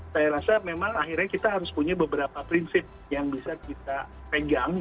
saya rasa memang akhirnya kita harus punya beberapa prinsip yang bisa kita pegang